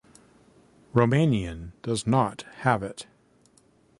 Romanian does "not" have it.